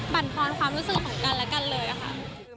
บรรทอนความรู้สึกของกันและกันเลยค่ะ